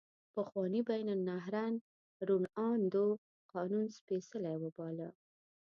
پخواني بین النهرین روڼ اندو قانون سپیڅلی وباله.